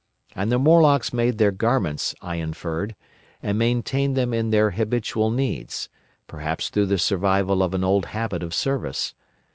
And the Morlocks made their garments, I inferred, and maintained them in their habitual needs, perhaps through the survival of an old habit of service.